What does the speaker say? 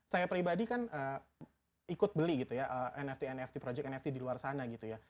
saya pribadi kan ikut beli gitu ya nft nft projec nft di luar sana gitu ya